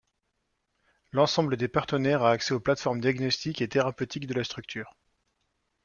L’ensemble des partenaires a accès aux plateformes diagnostiques et thérapeutiques de la structure.